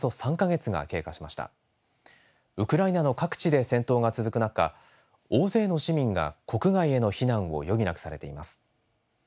ウクライナの各地で戦闘が続く中大勢の市民が国外への避難を余儀なくされています。